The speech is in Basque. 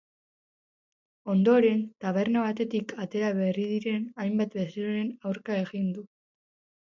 Ondoren, taberna batetik atera berri diren hainbat bezeroen aurka egin du.